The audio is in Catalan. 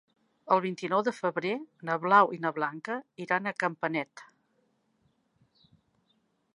El vint-i-nou de febrer na Blau i na Blanca iran a Campanet.